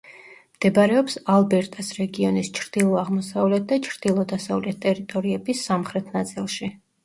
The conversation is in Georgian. მდებარეობს ალბერტას რეგიონის ჩრდილო-აღმოსავლეთ და ჩრდილო-დასავლეთ ტერიტორიების სამხრეთ ნაწილში.